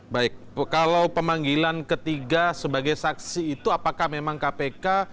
baik kalau pemanggilan ketiga sebagai saksi itu apakah memang kpk